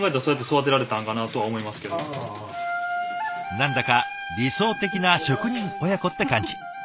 何だか理想的な職人親子って感じ。